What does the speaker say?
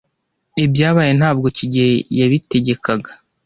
Ibyabaye ntabwo kigeli yabitegekaga.